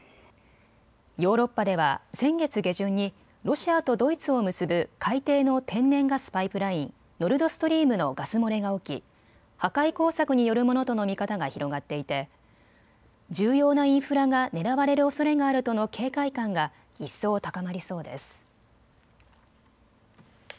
ヨーロッパでは先月下旬にロシアとドイツを結ぶ海底の天然ガスパイプライン、ノルドストリームのガス漏れが起き、破壊工作によるものとの見方が広がっていて重要なインフラが狙われるおそれがあるとの警戒感が一層高まりそうです。